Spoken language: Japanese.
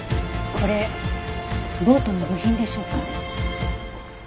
これボートの部品でしょうか？